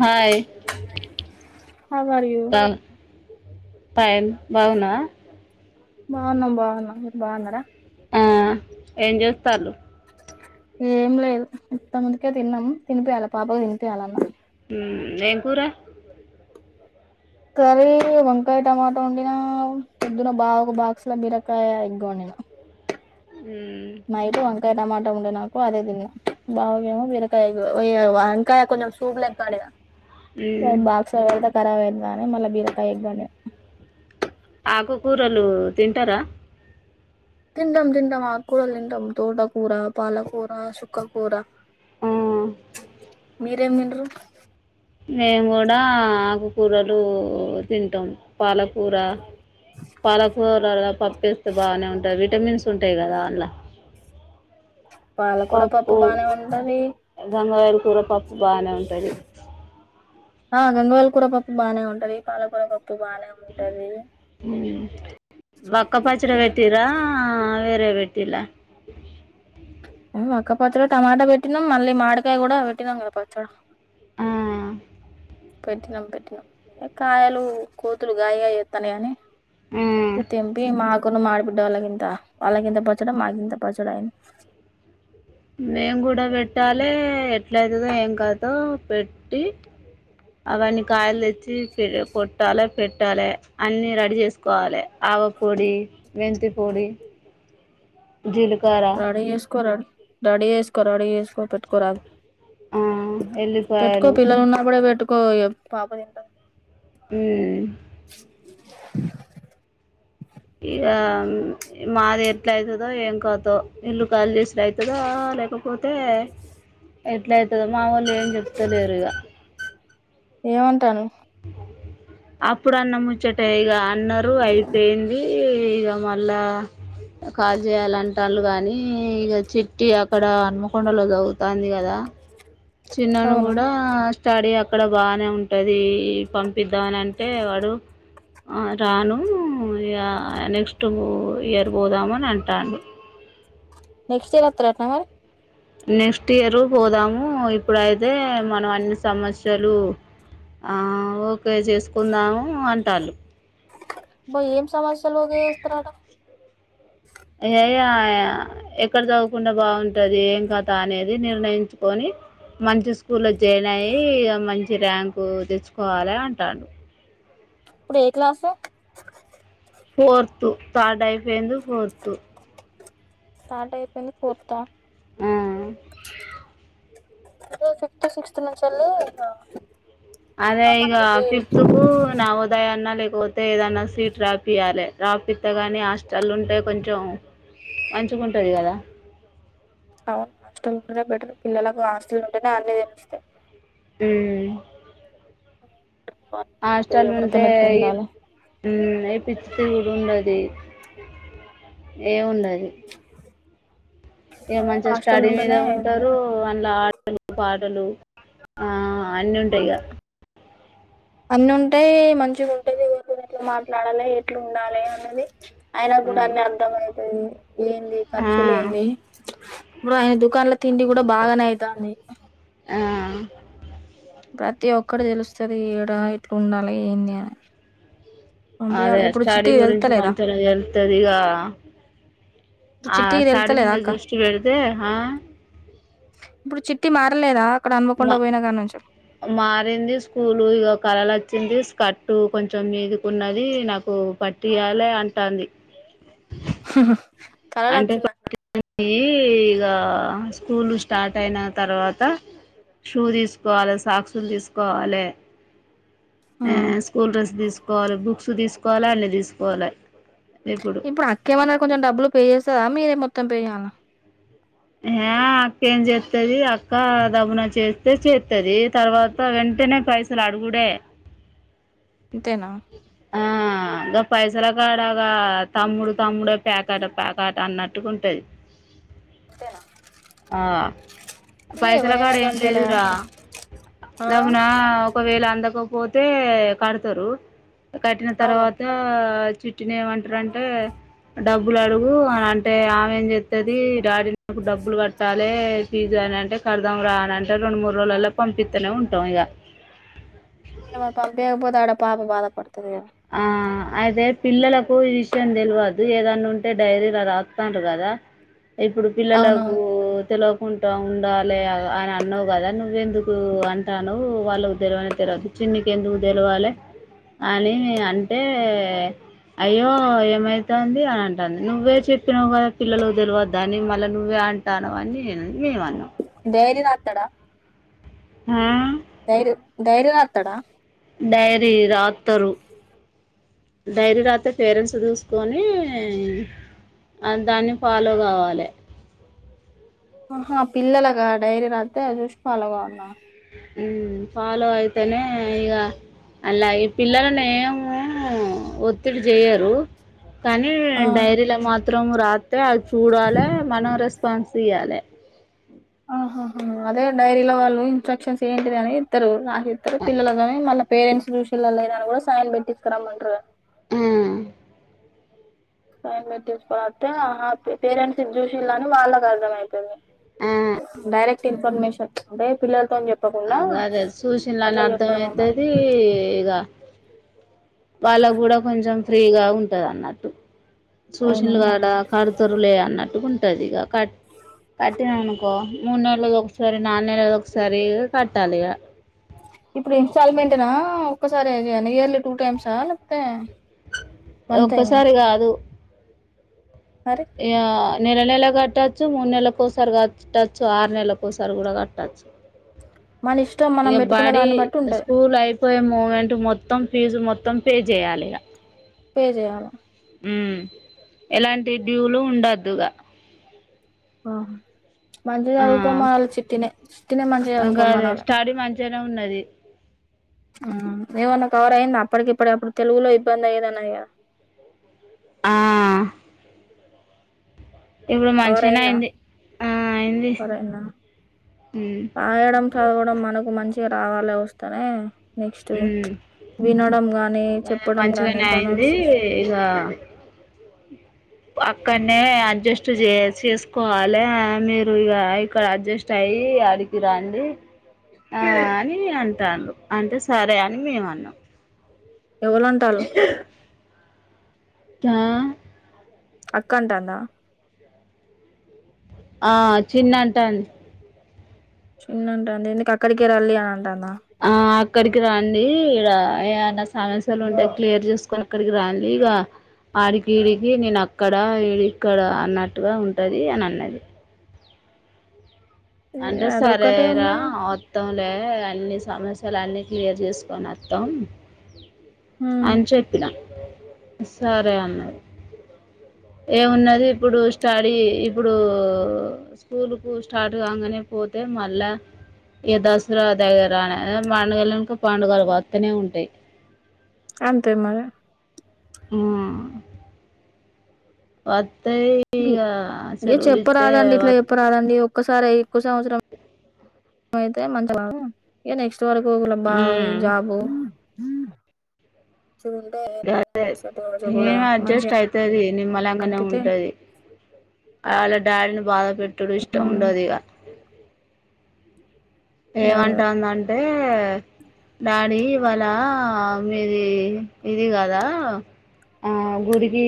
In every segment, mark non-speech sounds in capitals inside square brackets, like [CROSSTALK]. Hi అ మరియూ బా- ఫైన్ బాగున్నావా బాగున్నాం బాగున్నాం మీరు బాగున్నారా ఆ ఏం చేూస్తాల్లూ ఏం లేదు ఇంత ముందుకే తిన్నాము తినిపయాలి పాపకు తినిపయాలన్న ఊ ఏం కూర కర్రీ వంకాయ టమాటా వండినా పొద్దున బాగా ఒక బాక్సుల బీరకాయ ఎగ్ వండినా మ్, మైడు వంకాయ టమాట ఉండే నాకు అదే తిన్న బావేమో వరకాయ ఇంకా కొంచెం చూపులేం కాడద మ్, బాగస త కరాబ్ అయిద్దానే మళ్ళా బీరకాయ ఎగ్గానే ఆకు కూరలు తింటారా తింటం తింటం ఆకు కూరలు తింటం తోట కూర, పాలకూర, సుక్క కూర ఆ, మీరేం తింటరు మేము కూడా ఆకు కూరలు తింటాం పాలకూర, పాలకూరలా పప్పేస్తే బాగనే ఉంటది విటమిన్స్ ఉంటాయి కదా అండ్ల పాలకూర పప్పు బానే ఉంటది గంగవాయల కూర పప్పు బానే ఉంటది ఆ గంగవాయిల్ కూర పప్పు బానే ఉంటది పాలకూర పప్పు ప్పు బానే ఉంటది వక్క పచ్చడ వెట్టిరా ద వెర్టిల్లా ఒక్క పచ్చడ టమాటా పెట్టినం మళ్ళీ మాడికాయ కూడ పెట్టినం కదా పచ్చడ పెట్టినం పెట్టినం హే కాయలు కోతులు గాయి గాయి చేత్తానయనీ తెంపీ మా కొంత మా ఆడిబిడ్డ వాళ్ళకింత, వాళ్ళకింత పచ్చడ మాకింత పచ్చడ అయ్యింది మేం గూడ వెట్టాలే ఎట్లయితదో ఏం కాథో పెట్టి అవన్నీ కాయలు తె చ్చి కొట్టాలే పెట్టాలే అన్ని రెడీ చేసుకోవాలి ఆవపొడి మెంతి పొడి జీలకర్ర రెడీ చేసుకోరా రడిచేస్కో రడిచేసుకో పేట్కో రాదు పెట్కో ఎల్లిపాయలు పిల్లలున్న కూడా పెట్టుకో కో ఇగ పాపనిత్త ఊ ఇగా మాది ఎట్ల అయితదో ఏం కాతో ఇల్లు ఖాళీ చేసుడైతదో లేకపోతే పోతే ఎట్ల అయితదో మా వాళ్ళు ఏం చెప్తలేరు ఇగా ఏమంటాను అప్పుడు అన్న ముచ్చటె ఇగా అన్నారు అయిపోయింది ఇగ మళ్ళా కాల్ చేయాలంటాళ్ళు గాని ఇగ చిట్టి అక్కడ అన్మకొండలో చవుతంది కదా చిన్నను అవునా కూడడా స్టడీ ఆక్క అక్కడ బాగానే ఉంటది పంపిద్దామని అంటే వాడు రాను నెక్స్ట్ ఇగ ఇయర్ పోదామని అంటాడు. నెక్స్ట్ ఇయర్ వత్తాడటన మరి నెక్స్ట్ ఇయరు పోదాము ఇప్పుడైతే మనం అన్ని సమస్యలు ఆఓ అప్లై చేసుకుందాం అంటరు అబ్బా ఏం సమస్యలు చేస్తారట అయ్యా ఎక్కడ చదువుకుంటే బాగుంటది, ఏం కదా అనేది నిర్ణయించుకొని మంచి స్కూల్లో జెయిన్ అయ్యి మంచి ర్యాంకు తెచ్చుకోవాలి అంటాడు ఇప్పుడు ఏ క్లాసు ఫోర్త్ థర్డ్ అయిపోయి ఎందుకు వద్దు స్టార్ట్ అయిపోయింది ఫోర్త్ అ ఈ ఫిఫ్త్ సిక్స్త్ నుంచి అదే ఆ పని ఇక అనేది ఫిఫ్త్ కు నవోదయ అన్నా లేకపోతే ఏదన్నా సీట్ రాపియ్యాలి రాపిత్త కానీ హాస్టల్ ఉంటే కొంచెం మంచిగుంటది గదా అవును హాస్టల్ ఉంటేనే బెటర్ పిల్లలకు హాస్టల్ ఉంటేనే అన్నీ తెలుస్తాయి ఉ తెలుస్తాయి హాస్టల్ ఉంటే ఎవరితోని ఎట్లా ఉండాలి ఏ పిచ్చి కూడా ఉండది ఏ ఉండది ఏ మంచిగా హాస్టల్ స్టడీ మీద ఉంటేనే ఉంటారు అన్ల ఆ పా పాటలు ఆ అన్ని ఉంటాయి ఇగ అన్ని ఉంటాయి మంచిగా ఉంటాయి ఎవరితో ఎట్లా మాట్లాడాలి ఎట్లా ఉండాలి అన్నది అయినా కూడా అన్ని ఆ, అర్థంమయితది ఏంది ఆ, ఖర్చులే ఏంది ఇప్పుడు ఆయన దుకాన్ల తిండి కూడా బాగానే అవుతంది ఆ ప్రతి ఒక్కరు తెలుస్తుంది ఈడ ఇట్లు ఉండాలి ఏంది అని అదే పంపియాలి ఇప్పుడు స్టాడీ చిట్టికి గురించి తెలుత్తలేదా మంచగా తెలుతుంది ఇక ఇప్పుడు ఆ చిట్టికి స్టాడీ తెలుత్తలేదా మీద అక్క దృష్టి పెడితే ఆ ఇప్పుడు చిట్టి మారలేదా అక్కడ హన్మకొండ మా పోయిన కాడ నుంచి మారింది స్కూల్ ఇక కళలు వచ్చింది కట్టు కొంచెం మీదుకు ఉన్నది నాకు పట్టియాలి అంటంది హ్మ్మ్ కళళ వచ్చిందనా అ ఇక స్కూల్ స్టార్ట్ అయిన తర్వాత షూ తీసుకోవాలి సాక్స్లు తీసుకోవాలే మ్మ్ స్కూల్ రెస్ దసు కోవాలి బుక్స్ తీసుకోవాలి అన్ని తీసుకోవాలి ఇప్పుడు అక్కేమన్నారు కొంచెం డబ్బులు పే చేస్తా మీ మొత్తం పేజనా ఆ అక్కేం చేస్తది అక్క దముున చేస్తే చేస్తది తర్వాత వెంటనే పైసలు అడుగుడే ఇంతేనా ఇంకా పైసల కాడగా తమ్ముడు తమ్ముడ పేకాట ప్యాకాట అన్నట్టుగాంటది ఆ ఇగ పైసల కాడ ఎవరైనా ఏం గంతేలే లేదురా అక్క ఆ దబ్బున ఒకవేళ అందక పోతే కడతారు కట్టిన అవును తర్వాత చుట్టిని ఏమంటారంటే డబ్బులు అడుగు అ అంటే ఆమె ఏం చెస్తది డాడీనికు డబ్బులు కట్టాలే పిజ్జు అని అంటే కరదం రా అని అంటే రెండు మూడు రోజులల్లో పంపితనే ఉంటాం ఇక ఏవ పంపియాక పోతే పాప బాధపడు అత్తవ అయితే పిల్లలకు ఈ విషయం తెలువద్దు ఏదన్నా ఉంటే డైరీలా రాస్తాన్లు కదా ఇప్పుడు పిల్లలకు అవునవును తెల కుంటా ఉండాలి అని అన్నావు కదా నువ్వ ఎందుకు అంటాను వాళ్ళకు తెలివని తెరవదు చిన్నకి ఎందుకు తెలవాలి అని అంటే అయ్యో ఏమైతుంది అని అంటుంది నువ్వే చెప్పినావు కదా పిల్లలు తెలివద్దదు అని మళ్ళీ నువ్వే అంటాను అని నేను మేమ అన్నాం పేరి నాటడా హా సైరు ధైర్య అతడా డైరీ రాతరు ధైర్ రాతే పేరెంట్స్ దూసుకొని దాన్ని ఫాలో కావాలి ఆహా పిల్లలగా డైరీ రాస్తే చూసి ఫలోగా గావాల్నా ఫాలో అయితేనే ఇగ అలా ఈ పిల్లలని ఏమ ఒత్తిడి చేయరు కానీ ఆ డైరీలో మా త్రం రాత్ అతే అది చూడాలి మనోరస్ ఫంసియాలే ఆహహ అదే డైరీలో వాళ్ళు ఇన్స్ట్రక్షన్స్ ఏంటి అని ఇస్తరు పిల్లలగని మ పరెంట్స్ చూసిల్లా లేరా అని కూడా సైన్ పెట్టించకురామంటారు హ్మ్ సైన్ పెట్టిచ్చుకొని పోతే పేరెంట్స్ చూసిల్లని వాళ్ళకి అర్థం అయితది డైరెక్ట్ ఇన్ఫర్మషన్ అంటే పిల్లలతోని అ చెప్పకుండా అదే చూచల్ల అని అట్లా అర్ధం చెప్పడం అన్నారు అయితది ఇగ వాళ్ళ కూడా కొంచెం ఫ్రీగా ఉ ఉంటద అన్నట్టు అవునా సూచన్లుగాడ కడుతరులే అన్నట్టుకుంటు ఇగ కట్ కట్టిన అనుకో మూడు నెల ఒకసారి నాలు నెలది ఒకసారి కట్టాలి ఇగ ఇప్పుడు ఇన్స్టాల్మెంట్నా ఒక్కసారి ఇయర్లీ టూ టైమ్సా లేకపోతే వన్ టైమ్ ఒక్కసారి కాదు మరి యా నెల నెల కట్టచ్చు మూడు నెలలకు ఒకసారి కట్టచ్చు ఆరు నెల్లకు ఒకసారి కూడా కట్టచ్చు మన ఇష్టం మనం ఇ పెట్టుకున్న బడి దాన్ని బట్టి ఉంటది స్కూల్ అయిపోయి మూమెంట్ మొ మొత్తం ఫీజు మొత్తం పే చేయాలిగా పేజయాల హ్మ్ ఎలాంటి డ్యూలు ఉండద్దుగా ఆ మంచి చదువుక మాల చ చిటిినే అగాదె స్టడీ మంచిగానే ఉన్నది హ్మ్ ఏమన్నా కవర్ అయిందా అప్పటికి ఇప్పటి అప్పుడు తెలుగులో ఇబ్బంది అయ్యదన్న ఆ మంచిగానే కవరైందా అయింది అయింది కవరైందా హ్మ్ రాయడం చదవడం మనకు మంచి రావాలె వస్తేనే నెక్స్ట్ హ్మ్. వినడం గాని చెప్పడం గానీ మంచిగానే అయింది ప్రొనౌన్సేషన్ ఇక అక్కడనే అడ్జస్ట్ చే చేసుకోవాలి మీరు ఇగ ఇక్కడ అడ్జస్ట్ అయ్యి ఆడికి రండి ఆ అని అంటాండు అంటే సరే అని మేమన్నం ఎవళుంటాళ్ళు చ అక్కంటాందా ఆ చిన్నంటాంది చిన్నంటాంది ఎందుకు అక్కడకే రాళ్ళి టనా ఆ అక్కడికి రాండి ఇడ ఏయైనా సమస్యలు ఉంటే క్లియర్ చేసుకొని అక్కడికి రాండి ఇగ ఆడికి ఇడికి నేను అక్కడ ఈడి ఇక్కడ అన్నట్టుగా ఉంటది అని అన్నది అంటే అదొక్కటే సరేరా ఉన్నా వత్తంలే అన్నిస్ సమస్యలు అన్నీ క్లియర్ చేసుకొని వత్తం ఉమ్ అన్ చెప్పిన సరే అన్నది ఏమున్నది ఇప్పుడు స్టడీ ఇప్పుడు స్కూల్ కు స్టార్ట్ కాంగానే పోతే మళ్ళా ఇగ దసరా దగ్గర అ పండుగలెనక పండుగలు వత్తనే ఉంటాయి అంతే మరి ఉహ్మ్ వత్ ఇ ఇగ చెప్ప రాదండి ఇట్లా వత్- చెప్ప రాదండి ఒక్కసారే కో సంస్రం పోతే మంచి ఇగ నెక్స్ట్ తోరుకోకులబా ఇ ఉమ్, జాబు మంచిగుంటే సెట్ కావచ్చు ఒకవేళ [UNINTELLIGIBLE] అడ్జస్ట్ మంచిగా అయితది నిమ్మలంగానే అనిపితే ఉంటది అలా డాడీని బాధ పెట్ టుడు ఇష్టం ఉమ్ ఉండదిగ అదే అదే ఏమంటాందంటే డాడీ ఇవాళ మీది ఇది కదా ఆ గుడికి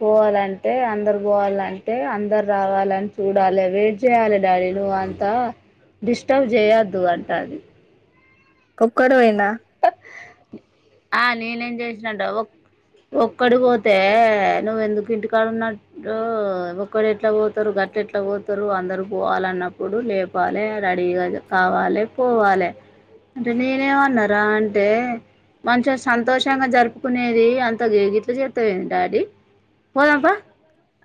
పోవాలంటే అందరు పోవాలంటే అందరు రావాలని చూడాలి వెయిట్ చేయాలి డాడీ నువ్ అంతా డిస్టర్బ్ చేయొద్దు అంటాంది కోక్కడు పోయిండా ఆ నేనేం చేసినంట ఒ ఒక్కడు పోతే నువ్వెందుకు ఇంటికాడ ఉన్నట్టు ఒక్కడు ఎట్లా పోతారు గట్ల ఎట్లా పోతారు అందరు పోవాలన్నప్పుడు లేపాలి రెడీగా కావాలే పోవాలే అంటేనే నేనేమన్నారా అంటే మంచిగా సంతోషంగా జరుపుకునేది అంత గీ గిట్లు చెత్తవేంది డాడీ పోదంపా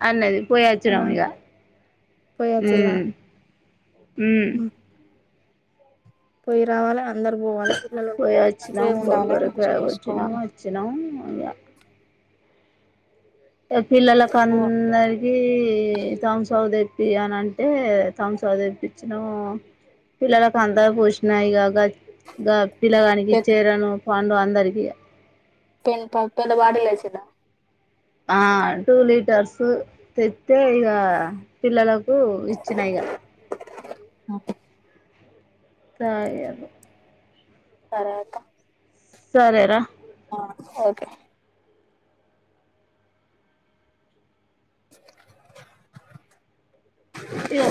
అన్నది పోయోచ్చినం ఇగా పోయేచ్చిల్లా ఉమ్ పోయి రావాలా పోయ వచ్చినాం ఉండాలి కొబ్బరి కాయ మంచిగా కోటినం చేసుకోవాలి వచ్చినం ఆయా ఇగ పిల్లలలకు అందరికి తాంసబ్ తే కి అని అంటే తుమ్బ్సప్ తెపిచినం పిల్లలలకు అందకి పోషిన ఇగ గా పిలాగానికి ఇచే పెద్ద చేరను పండు అందరికి ఇగ పెన్ పాన్ పేద బాటిల్ దేచేదా ఆ టూ లీటర్స్ తె తే ఇక పిల్లలకు ఇచ్చినా ఇక ఆ తాగ తర్వాత సరేరా ఓకే ఇగో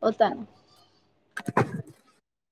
పోతానా